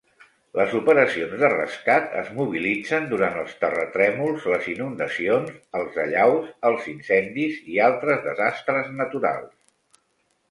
Les operacions de rescat es mobilitzen durant els terratrèmols, les inundacions, els allaus, els incendis i altres desastres naturals.